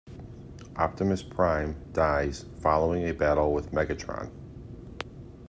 Optimus Prime dies following a battle with Megatron.